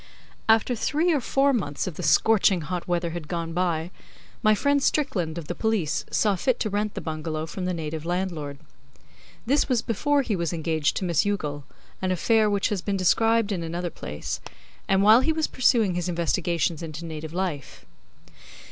After three or four months of the scorching hot weather had gone by, my friend Strickland, of the Police, saw fit to rent the bungalow from the native landlord. This was before he was engaged to Miss Youghal an affair which has been described in another place and while he was pursuing his investigations into native life.